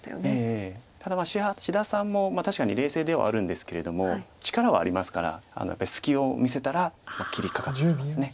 ただ志田さんも確かに冷静ではあるんですけれども力はありますからやっぱり隙を見せたら切りかかってきます。